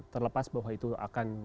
terlepas bahwa itu akan